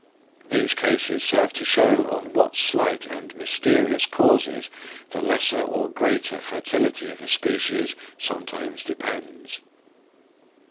These cases serve to show on what slight and mysterious causes the lesser or greater fertility of a species sometimes depends.